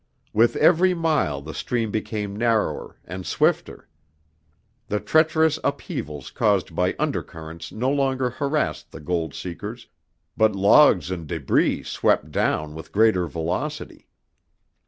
With every mile the stream became narrower and swifter. The treacherous upheavals caused by undercurrents no longer harassed the gold seekers, but logs and debris swept down with greater velocity.